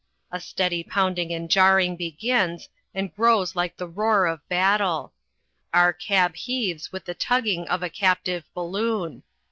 A steady pounding and jarring begins, and grows like the roar of battle. Our cab heaves with the tugging of a captive balloon.